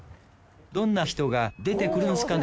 どんな人が出てくるんすかね？